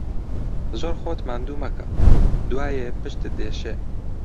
زۆر خۆت ماندوو مەکە، دوایێ پشتت دێشێ.